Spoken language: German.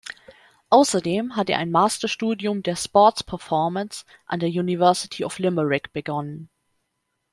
Außerdem hat er ein Masterstudium der "Sports Performance" an der University of Limerick begonnen.